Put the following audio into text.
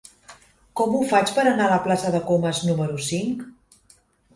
Com ho faig per anar a la plaça de Comas número cinc?